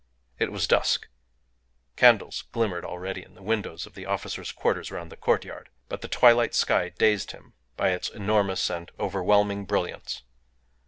It was dusk; candles glimmered already in the windows of the officers' quarters round the courtyard; but the twilight sky dazed him by its enormous and overwhelming brilliance.